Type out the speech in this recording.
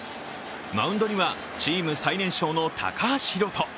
マウンドにはチーム最年少の高橋宏斗。